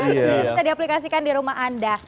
bisa diaplikasikan di rumah anda